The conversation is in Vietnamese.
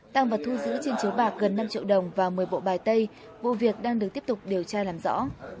tăng vật thu giữ trên chiếu bạc gần năm triệu đồng và một mươi bộ bài tay vụ việc đang được tiếp tục điều tra làm rõ